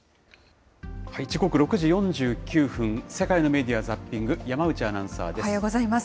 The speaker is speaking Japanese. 時刻６時４９分、世界のメディア・ザッピング、山内アナウンおはようございます。